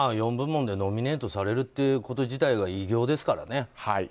４部門でノミネートされるっていうこと自体が偉業ですからね。